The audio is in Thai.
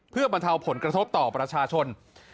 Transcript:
เพื่อบรรเทาผลกระทบต่อประชาชน